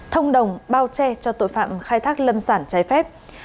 thông đồng bao che cho tội phạm khai thác lâm sản trái phép